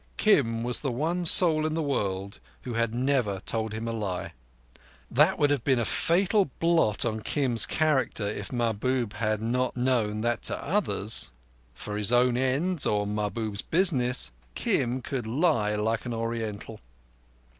Kim was the one soul in the world who had never told him a lie. That would have been a fatal blot on Kim's character if Mahbub had not known that to others, for his own ends or Mahbub's business, Kim could lie like an Oriental.